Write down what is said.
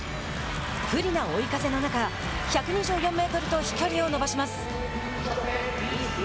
不利な追い風の中１２４メートルと飛距離を伸ばします。